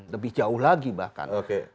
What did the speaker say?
lebih jauh lagi bahkan